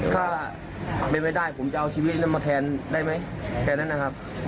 ถ้าเป็นไปได้ผมจะเอาชีวิตนั้นมาแทนได้ไหมแค่นั้นนะครับ